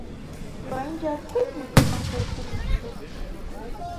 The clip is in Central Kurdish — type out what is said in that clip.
دوایین جار کەی بوو تەماشای فیلمت کرد؟